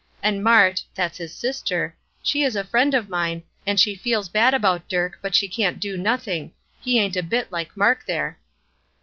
And Mart that's his sister she is a friend of mine, and she feels bad about Dirk, but she can't do nothing; he ain't a bit like Mark there."